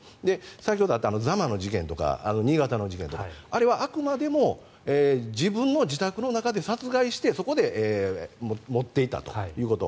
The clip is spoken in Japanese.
先ほどあった座間の事件とか新潟の事件とかあれはあくまでも自分の自宅の中で殺害してそこで持っていたということ。